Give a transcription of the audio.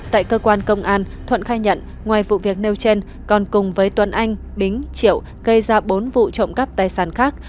tại cơ quan công an thuận khai nhận ngoài vụ việc nêu trên còn cùng với tuấn anh bính triệu gây ra bốn vụ trộm cắp tài sản khác